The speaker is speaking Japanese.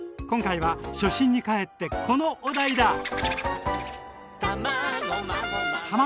今回は初心に返ってこのお題だ！